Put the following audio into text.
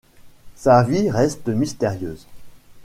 Sa vie reste mystérieuse.